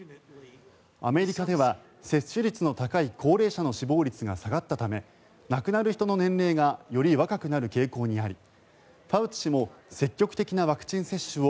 アメリカでは接種率の高い高齢者の死亡率が下がったため亡くなる人の年齢がより若くなる傾向にありファウチ氏も積極的なワクチン接種を